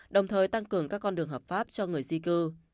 đồng thời tăng cường các con đường hợp pháp cho người di cư